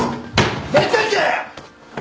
出てけ！